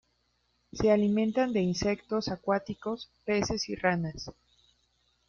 Se alimentan de insectos acuáticos, peces y ranas.